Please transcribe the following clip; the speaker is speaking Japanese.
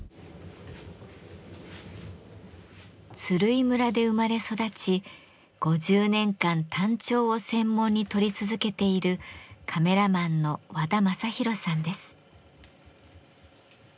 鶴居村で生まれ育ち５０年間タンチョウを専門に撮り続けているカメラマンの和田正宏さんです。